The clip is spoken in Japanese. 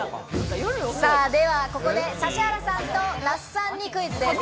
ではここで、指原さんと那須さんにクイズです。